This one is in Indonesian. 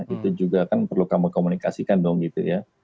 itu juga kan perlu kamu komunikasikan dong gitu ya